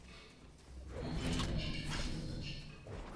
欸，这句话是谁说的来着。